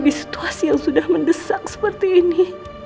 di situasi yang sudah mendesak seperti ini